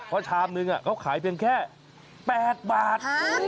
เพราะชามนึงเขาขายเพียงแค่๘บาท